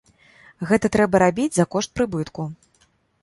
Гэта трэба рабіць за кошт прыбытку.